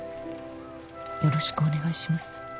「よろしくお願いします」